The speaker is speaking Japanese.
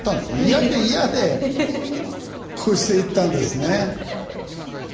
嫌で嫌で越していったんですね。